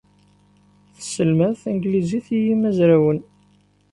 Tesselmad tanglizit i yimezrawen.